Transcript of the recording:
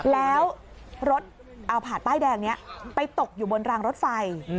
แล้วรถเอาผาดป้ายแดงนี้ไปตกอยู่บนรางรถไฟ